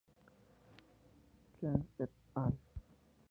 Qiang et al.